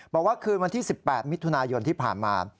บอกว่าคืนวันที่๑๘มิถุนายนที่ผ่านมา